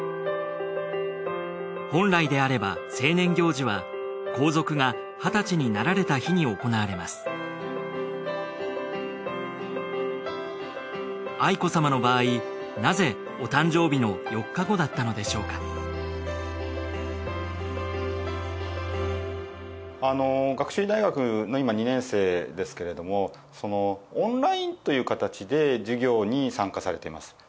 本来であれば成年行事は皇族が二十歳になられた日に行われます愛子さまの場合なぜお誕生日の４日後だったのでしょうか学習院大学の今２年生ですけれどもオンラインという形で授業に参加されています。